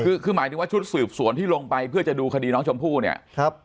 คือคือหมายถึงว่าชุดสืบสวนที่ลงไปเพื่อจะดูคดีน้องชมพู่เนี่ยครับ